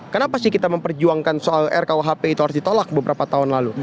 kenapa sih kita memperjuangkan soal rkuhp itu harus ditolak beberapa tahun lalu